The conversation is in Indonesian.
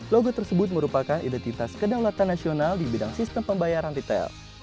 logo tersebut merupakan identitas kedaulatan nasional di bidang sistem pembayaran retail